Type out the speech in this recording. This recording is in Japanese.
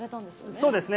そうですね。